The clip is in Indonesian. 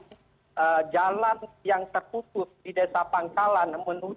jadi jalan yang terputus di desa pangkalan